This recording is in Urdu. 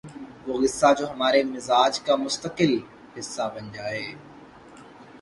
وہ غصہ جو ہمارے مزاج کا مستقل حصہ بن جائے